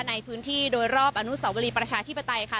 ในพื้นที่โดยรอบอนุสาวรีประชาธิปไตยค่ะ